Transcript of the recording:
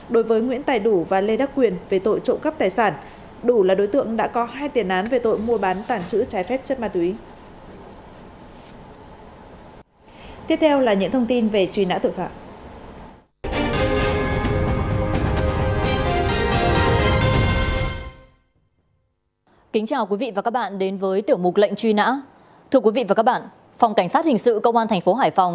đối với nguyễn tài đủ và lê đắc quyền về tội trộm cắp tài sản